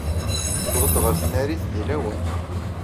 Nuweḍ-d ɣer tnarit deg lawan.